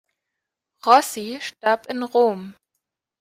Rossi starb in Rom.